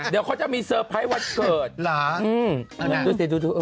เดี๋ยวเขาจะมีเซอร์ไพรส์วันเกิดหรอดูสิดูดู